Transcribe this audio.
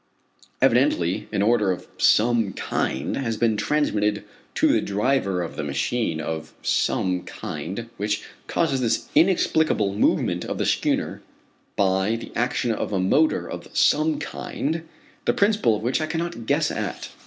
Evidently an order of "some kind" has been transmitted to the driver of the machine of "some kind" which causes this inexplicable movement of the schooner by the action of a motor of "some kind" the principle of which I cannot guess at.